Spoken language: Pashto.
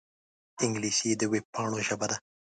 انګلیسي د وېبپاڼو ژبه ده